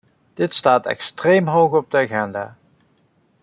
Dit staat extreem hoog op de agenda.